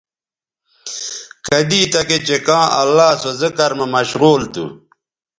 کدی تکےچہء کاں اللہ سو ذکر مہ مشغول تھو